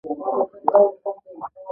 دریمه درجه یو کال قدم او دوه میاشتې معاش.